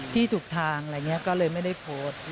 ที่ถูกทางอะไรอย่างนี้ก็เลยไม่ได้โพสต์